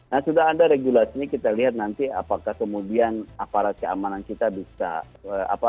nah sudah ada regulasi ini kita lihat nanti apakah kemudian aparat keamanan kita bisa